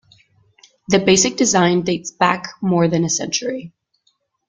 The basic design dates back more than a century.